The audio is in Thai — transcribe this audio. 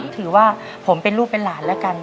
ถือว่าผมเป็นลูกเป็นหลานแล้วกัน